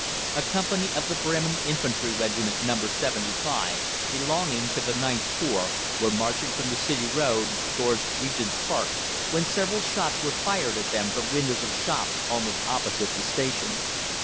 A company of the Bremen Infantry Regiment No. 75, belonging to the IXth Corps, were marching from the City Road towards Regent's Park, when several shots were fired at them from windows of shops almost opposite the station.